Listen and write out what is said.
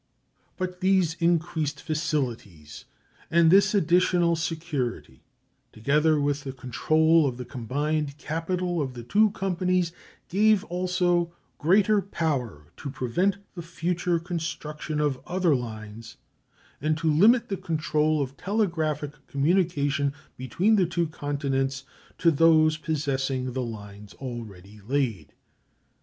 But these increased facilities and this additional security, together with the control of the combined capital of the two companies, gave also greater power to prevent the future construction of other lines and to limit the control of telegraphic communication between the two continents to those possessing the lines already laid.